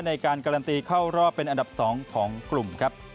ในการการันตีเข้ารอบเป็นอันดับ๒ของกลุ่มครับ